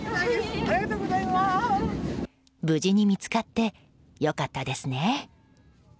無事に見つかって良かったですね。